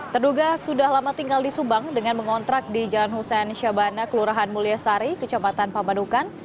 terduga sudah lama tinggal di subang dengan mengontrak di jalan hussein syabana kelurahan mulyasari kecamatan pamanukan